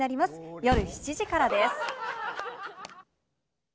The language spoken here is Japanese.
夜７時からです。